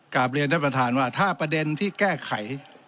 กลับเรียนท่านประธานว่าถ้าประเด็นที่แก้ไข